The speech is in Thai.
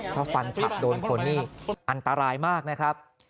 ถ้าฟันฉับโดนคนนี่อันตรายมากนะครับ